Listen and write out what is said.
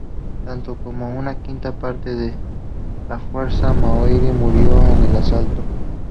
Tanto como una quinta parte de la fuerza maorí murió en el asalto.